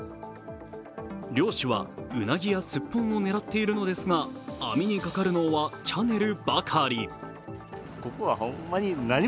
漁師はうなぎやスッポンを狙っているのですが、網にかかるのはチャネルばかり。